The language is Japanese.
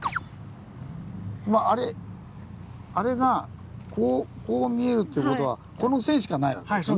まああれがこう見えるという事はこの線しかないわけですよね。